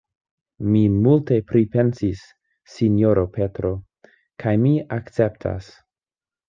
Mi multe pripensis, sinjoro Petro; kaj mi akceptas.